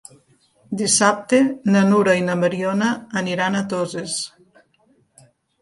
Dissabte na Nura i na Mariona aniran a Toses.